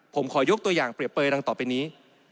ผมขอยกตัวอย่างเรียบเปยดังต่อไปนี้